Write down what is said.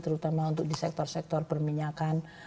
terutama untuk di sektor sektor perminyakan